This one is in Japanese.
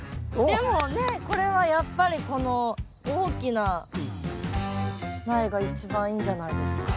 でもねこれはやっぱりこの大きな苗が一番いいんじゃないですか？